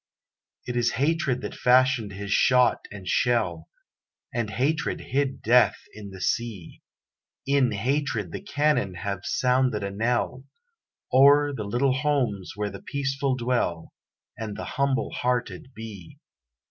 It is hatred that fashioned his shot and shell, And hatred hid death in the sea; In hatred the cannon have sounded a knell O'er the little homes where the peaceful dwell, And the humble hearted be.